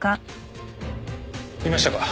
いましたか？